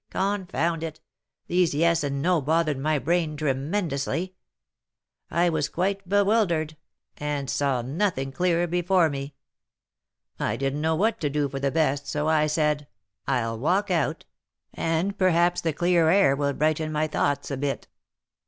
Confound it! these yes and no bothered my brain tremendously. I was quite bewildered, and saw nothing clear before me. I didn't know what to do for the best, so I said, 'I'll walk out, and perhaps the clear air will brighten my thoughts a bit.'